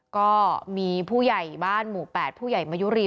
ก็มีผู้ใหญ่บ้านหมู่๘ผู้ใหญ่มายุรี